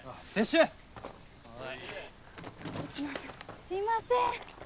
すいません。